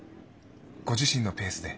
ご自身のペースで。